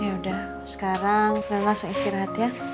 yaudah sekarang kita langsung istirahat ya